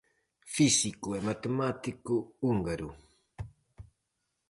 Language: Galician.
Físico e matemático húngaro.